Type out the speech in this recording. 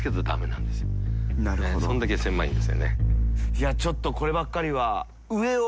いやちょっとこればっかりは大島）